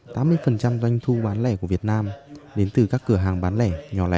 tám mươi doanh thu bán lẻ của việt nam đến từ các cửa hàng bán lẻ nhỏ lẻ